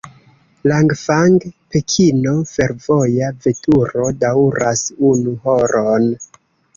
Langfang-Pekino fervoja veturo daŭras unu horon.